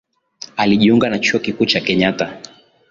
Alijiunga na chuo kikuu cha Kenyatta